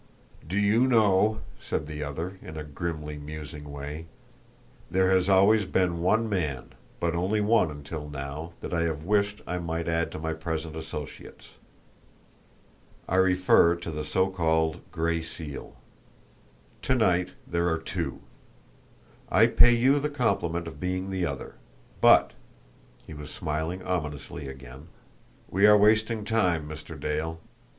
"Do you know," said the other, in a grimly musing way, "there has always been one man, but only one until now, that I have wished I might add to my present associates. I refer to the so called Gray Seal. To night there are two. I pay you the compliment of being the other. But" he was smiling ominously again "we are wasting time, Mr. Dale.